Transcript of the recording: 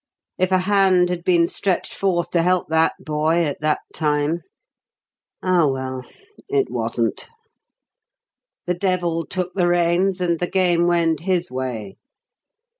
If a hand had been stretched forth to help that boy at that time ... Ah, well! it wasn't. The Devil took the reins and the game went his way.